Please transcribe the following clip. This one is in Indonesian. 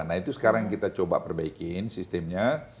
nah itu sekarang kita coba perbaikin sistemnya